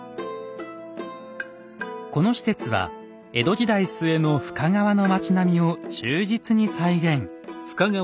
この施設は江戸時代末の深川の町並みを忠実に再現。